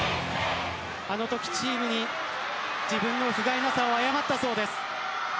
あのときチームに自分のふがいなさを謝ったそうです。